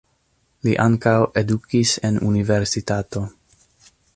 Li ankaŭ edukis en universitato.